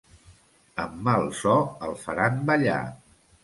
Amb mal so el faran ballar.